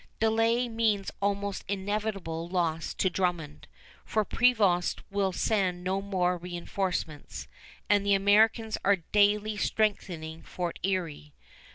Delay means almost inevitable loss to Drummond; for Prevost will send no more reënforcements, and the Americans are daily strengthening Fort Erie.